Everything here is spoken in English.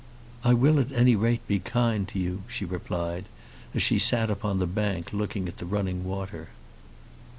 "I will at any rate be kind to you," she replied, as she sat upon the bank looking at the running water.